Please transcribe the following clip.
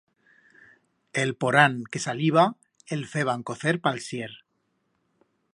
El porán que saliba el feban cocer pa'l sier.